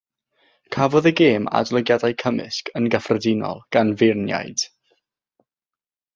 Cafod y gêm adolygiadau cymysg yn gyffredinol gan feirniaid.